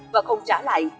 và không trả lại